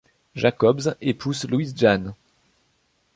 Jacobs épouse Louise Jahn.